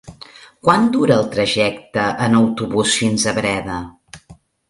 Quant dura el trajecte en autobús fins a Breda?